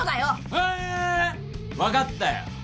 あ分かったよ。